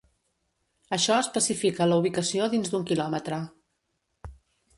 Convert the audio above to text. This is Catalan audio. Això especifica la ubicació dins d'un quilòmetre.